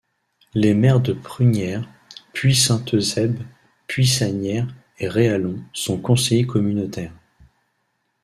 Les maires de Prunières, Puy-Saint-Eusèbe, Puy-Sanières et Réallon sont conseillers communautaires.